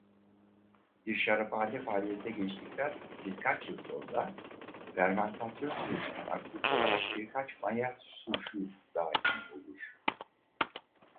Bir şaraphane faaliyete geçtikten birkaç yıl sonra fermantasyon sürecine aktif olarak birkaç maya suşu dahil olur.